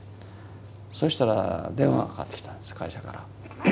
そしたら電話がかかってきたんです会社から。